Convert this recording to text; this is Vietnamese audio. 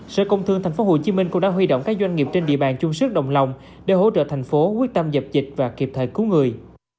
sở công thương tp hcm cũng đã huy động các doanh nghiệp trên địa bàn chung sức đồng lòng để hỗ trợ thành phố quyết tâm dập dịch và kịp thời cứu người